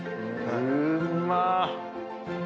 うまっ！